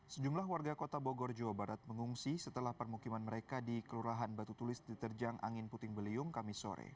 sejumlah warga kota bogor jawa barat mengungsi setelah permukiman mereka di kelurahan batu tulis diterjang angin puting beliung kami sore